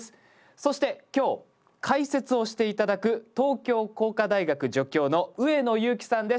そして今日解説をして頂く東京工科大学助教の上野祐樹さんです。